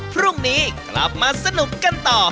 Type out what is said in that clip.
พรุ่งนี้กลับมาสนุกกันต่อ